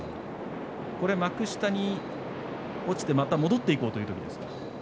これ、幕下に落ちてまた戻っていこうというときですか。